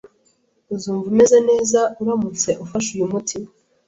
Uzumva umeze neza uramutse ufashe uyu muti.